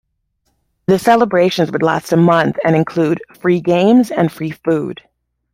The celebrations would last a month and include free games and free food.